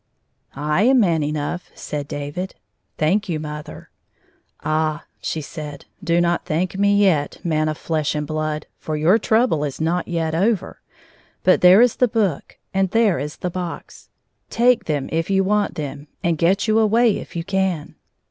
" I am man 6nough," said David. " Thank you, mother." " Ah !" she said, " do not thank me yet, man of flesh and blood, for your trouble is not yet over. But there is the book, and there is the box. Take. H5 them if you want them, and get you away if you can."